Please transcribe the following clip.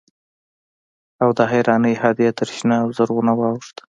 او د حيرانۍ حد يې تر شنه او زرغونه واوښت.